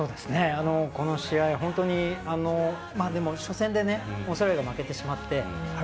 この試合、本当に初戦で、オーストラリアが負けてしまってあれ？